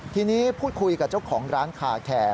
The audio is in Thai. ทีนี้พูดคุยกับเจ้าของร้านคาแคร์